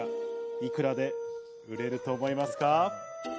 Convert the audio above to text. いくらで売れると思いますか？